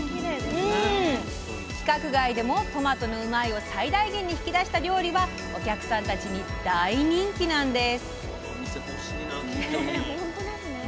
規格外でもトマトの「うまいッ！」を最大限に引き出した料理はお客さんたちに大人気なんです。